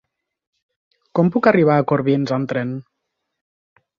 Com puc arribar a Corbins amb tren?